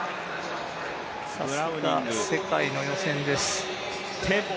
さすが世界の予選です